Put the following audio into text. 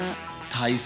体操？